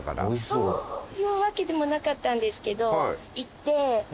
そういうわけでもなかったんですけど行って。